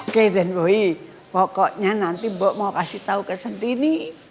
oke denboy pokoknya nanti mbok mau kasih tahu ke centini